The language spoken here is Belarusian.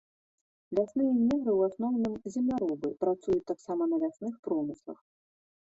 Лясныя негры ў асноўным земляробы, працуюць таксама на лясных промыслах.